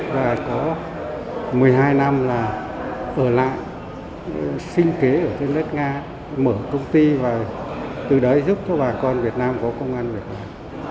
và có một mươi hai năm là ở lại sinh kế ở trên đất nga mở công ty và từ đó giúp cho bà con việt nam có công an việc làm